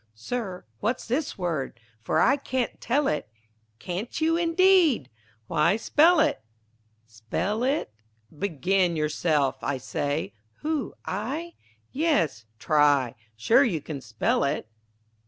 Sir, what's this word? for I can't tell it. Can't you indeed! Why, spell it. Spell it. Begin yourself, I say. Who, I? Yes, try. Sure you can spell it.